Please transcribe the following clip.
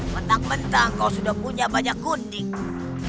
mentang mentang kau sudah punya banyak kundingku